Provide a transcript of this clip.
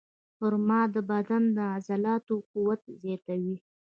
خرما د بدن د عضلاتو قوت زیاتوي.